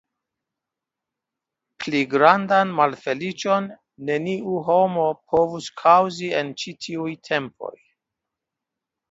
Pli grandan malfeliĉon neniu homo povus kaŭzi en ĉi tiuj tempoj.